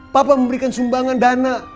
papa memberikan sumbangan dana